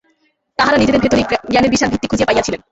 তাঁহারা নিজেদের ভিতরেই জ্ঞানের বিশাল ভিত্তি খুঁজিয়া পাইয়াছিলেন।